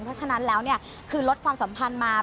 เพราะฉะนั้นแล้วเนี่ยคือลดความสัมพันธ์มา